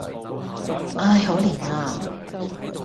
唉！可憐呀！